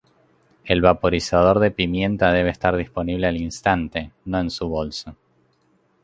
El vaporizador de pimienta debe estar disponible al instante, no en su bolso.